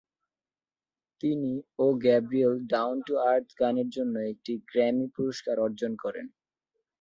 তিনি ও Gabriel "down to earth" গানের জন্য একটি গ্র্যামি পুরস্কার অর্জন করেন।